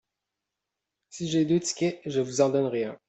si j'ai deux tickets, je vous en donnerai un.